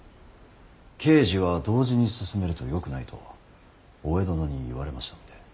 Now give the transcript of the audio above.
慶事は同時に進めるとよくないと大江殿に言われましたので。